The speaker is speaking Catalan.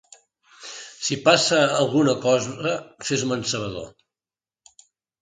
Si passa alguna cosa, fes-me'n sabedor.